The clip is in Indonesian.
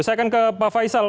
saya akan ke pak faisal